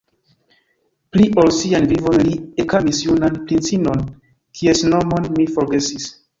Pli ol sian vivon li ekamis junan princinon, kies nomon mi forgesis.